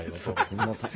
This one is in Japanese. すいません。